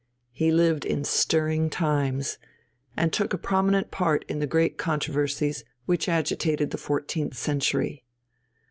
He lived in stirring times, and took a prominent part in the great controversies which agitated the fourteenth century.